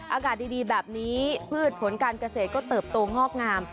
อากาศดีแบบนี้พืชผลการเกษตรก็เติบโตงอกงาม